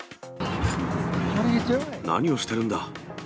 何をしているんだ？